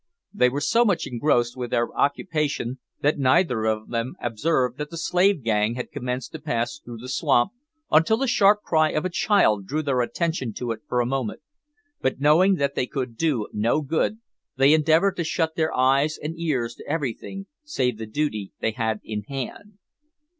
They were so much engrossed with their occupation that neither of them observed that the slave gang had commenced to pass through the swamp, until the sharp cry of a child drew their attention to it for a moment; but, knowing that they could do no good, they endeavoured to shut their eyes and ears to everything save the duty they had in hand.